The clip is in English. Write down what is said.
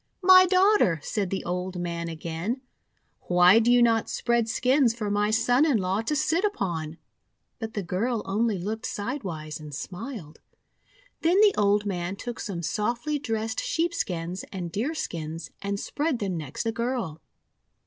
"My Daughter," said the old man again, "why do you not spread skins for my son in law to sit upon?' But the girl only looked sidewise and smiled. Then the old man took some softly dressed sheepskins and deerskins and spread them next the girl.